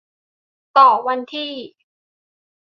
ต่อวันที่